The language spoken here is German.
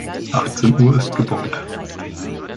Achtzehn Uhr ist gebongt.